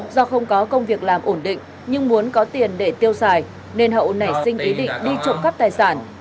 do không có công việc làm ổn định nhưng muốn có tiền để tiêu xài nên hậu nảy sinh ý định đi trộm cắp tài sản